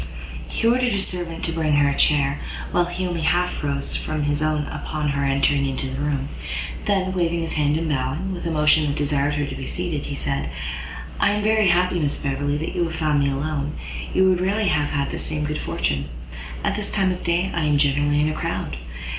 He ordered a servant to bring her a chair, while he only half rose from his own upon her entering into the room; then, waving his hand and bowing, with a motion that desired her to be seated, he said, "I am very happy, Miss Beverley, that you have found me alone; you would rarely have had the same good fortune. At this time of day I am generally in a crowd.